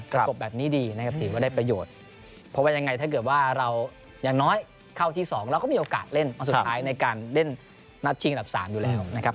กบแบบนี้ดีนะครับถือว่าได้ประโยชน์เพราะว่ายังไงถ้าเกิดว่าเราอย่างน้อยเข้าที่๒เราก็มีโอกาสเล่นวันสุดท้ายในการเล่นนัดชิงอันดับ๓อยู่แล้วนะครับ